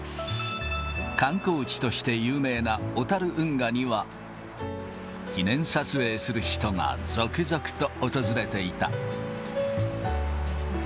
観光地として有名な小樽運河には、記念撮影する人が続々と訪れていた。